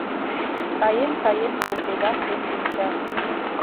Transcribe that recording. Каен-каен колтеда шем дӱнчаш.